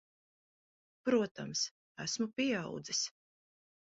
Protams. Esmu pieaudzis.